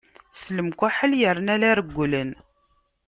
S lemkaḥel, yerna la regglen.